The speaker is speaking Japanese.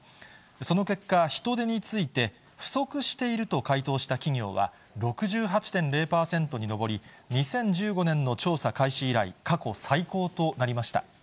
その結果、人手について不足していると回答した企業は６８．０％に上り、２０１５年の調査開始以来、過去最高となりました。